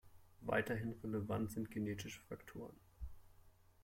Weiterhin relevant sind genetische Faktoren.